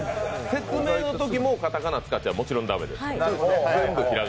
説明のときもカタカナを使ってはもちろんダメです。